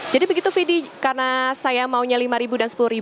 jadi begitu fidi karena saya maunya lima dan sepuluh